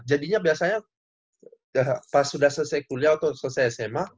jadinya biasanya pas sudah selesai kuliah atau selesai sma